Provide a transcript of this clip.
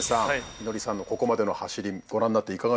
祈愛さんのここまでの走りご覧になっていかがでしたか？